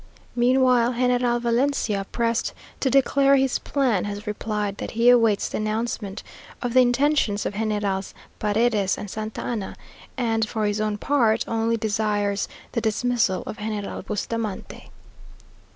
Meanwhile General Valencia, pressed to declare his plan, has replied that he awaits the announcement of the intentions of Generals Paredes and Santa Anna; and, for his own part, only desires the dismissal of General Bustamante.